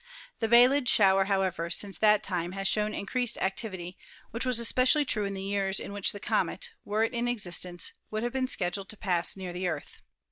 The Bielid shower, however, since that time has shown increased activity, which was especially true in the years in which the comet, were it in existence, would have been scheduled to pass near the Earth.